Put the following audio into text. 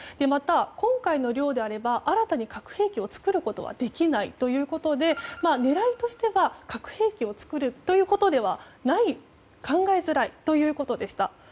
また、今回の量であれば新たに核兵器を作ることはできないということで狙いとしては核兵器を作るということではない考えづらいということでした。